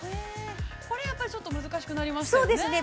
◆これはやっぱりちょっと難しくなりましたよね。